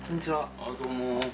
あっどうも。